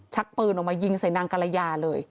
ชักปืนออกมายิงใส่นางกรยาเลย